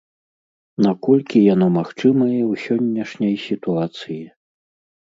Наколькі яно магчымае ў сённяшняй сітуацыі?